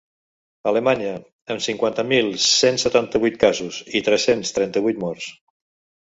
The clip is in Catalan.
Alemanya, amb cinquanta mil cent setanta-vuit casos i tres-cents trenta-vuit morts.